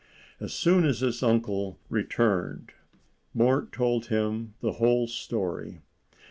As soon as his uncle returned, Mort told him the whole story.